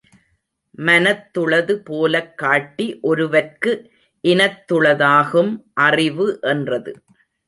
மனத்துளது போலக் காட்டி ஒருவற்கு இனத்துள தாகும் அறிவு என்றது.